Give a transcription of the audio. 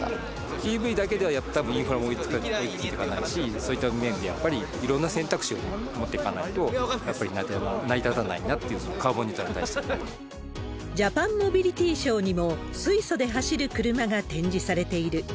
ＥＶだけでは、たぶんインフラも追いつかないし、そういった意味では、やっぱりいろんな選択肢を持っていかないと、やっぱり成り立たないっていう、ジャパンモビリティショーにも、水素で走る車が展示されている。